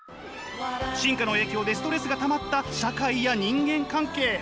進化の影響でストレスがたまった社会や人間関係。